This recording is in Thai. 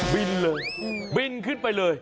บินเลยบินขึ้นไปเลย